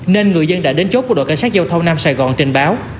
nên người dân đã đến chốt của đội cảnh sát giao thông nam sài gòn trình báo